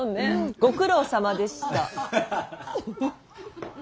ご苦労さまでした。